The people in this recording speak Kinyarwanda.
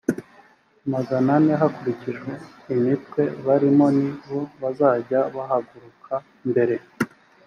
magana ane hakurikijwe imitwe barimo ni bo bazajya bahaguruka mbere